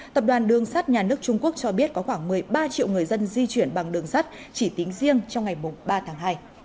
tập đoàn đường sắt nhà nước trung quốc cho biết có khoảng một mươi ba triệu người dân di chuyển bằng đường sắt chỉ tính riêng trong ngày ba tháng hai